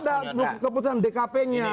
ada keputusan dkp nya